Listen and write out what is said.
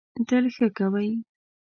تل ښه کوی.